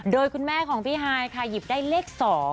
โดยคุณแม่ของพี่ฮายค่ะหยิบได้เลข๒